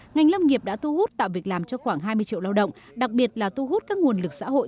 ngành lâm nghiệp đã thu hút tạo việc làm cho khoảng hai mươi triệu lao động đặc biệt là thu hút các nguồn lực xã hội